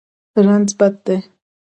رنځ بد دی.